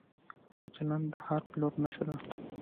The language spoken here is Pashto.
ښه چلند د هر پلور نښه ده.